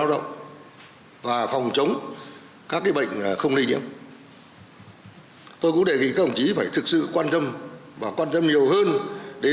rồi phòng chống tai nạn chương tích đó là những vấn đề liên quan đến y tế dự phòng